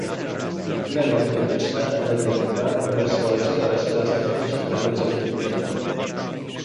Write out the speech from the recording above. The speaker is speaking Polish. zmiany klimatyczne, energetyka, wymiar społeczny oraz elastyczność i pewność zatrudnienia